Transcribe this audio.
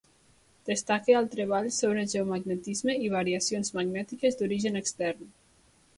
Destaca el treball sobre geomagnetisme i variacions magnètiques d'origen extern.